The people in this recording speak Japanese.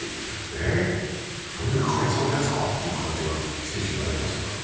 えっ、それで解散ですかっていう感じがしてしまいますが。